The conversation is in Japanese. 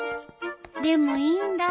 でもいいんだ。